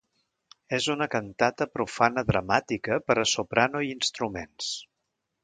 És una cantata profana dramàtica per a soprano i instruments.